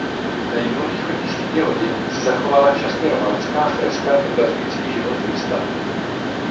Na jihovýchodní stěně lodi se zachovala časně románská freska zobrazující život Krista.